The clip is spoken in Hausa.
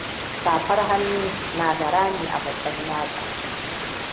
Safar hannu yana da rami a babban yatsa.